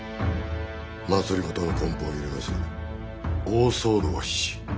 政の根本を揺るがす大騒動は必至。